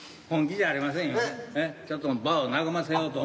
本気じゃありませんよ。